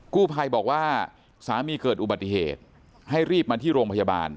กู้ภัยบอกว่าสามีเกิดอุบัติเหตุให้รีบมาที่โรงพยาบาล